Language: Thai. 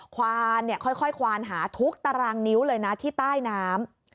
ควานค่อยควานหาทุกตารางนิ้วเลยนะที่ใต้น้ำ